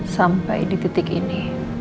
sampai di titik ini